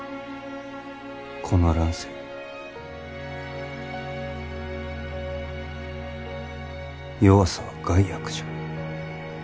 この乱世弱さは害悪じゃ。